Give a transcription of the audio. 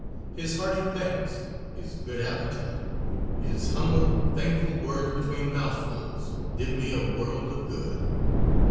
His hearty thanks, his good appetite, his humble, thankful words between mouthfuls, did me a world of good.